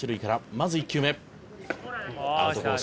「まず１球目」「アウトコース